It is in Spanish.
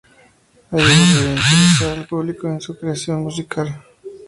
Allí volvería a interesar al público en su creación musical.